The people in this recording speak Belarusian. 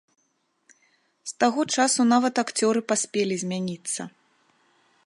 З таго часу нават акцёры паспелі змяніцца.